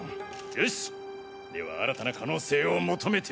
よしでは新たな可能性を求めて。